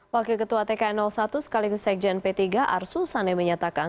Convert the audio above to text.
wakil ketua tkn satu sekaligus sekjen p tiga arsul sane menyatakan